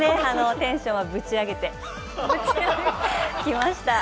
テンションをブチ上げてきました。